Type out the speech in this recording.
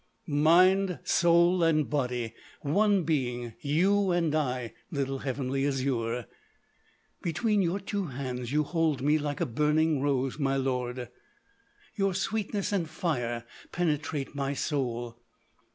"Mind, soul, and body, one being, you and I, little Heavenly Azure." "Between your two hands you hold me like a burning rose, my lord." "Your sweetness and fire penetrate my soul."